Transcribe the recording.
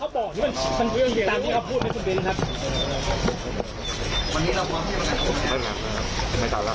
ขอโทษนะครับโทษกำลังจะออกนะครับ